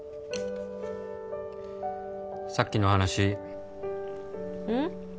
☎さっきの話うん？